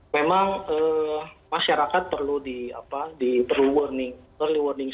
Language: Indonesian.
memang masyarakat perlu di warning early warning